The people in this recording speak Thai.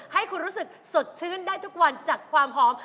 ให้คุณรู้สึกสดชื่นได้ทุกวันจากความหอม